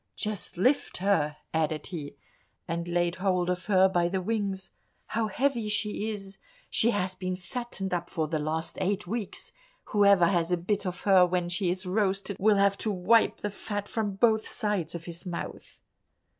"Just lift her," added he, and laid hold of her by the wings; "how heavy she is—she has been fattened up for the last eight weeks. Whoever has a bit of her when she is roasted will have to wipe the fat from both sides of his mouth."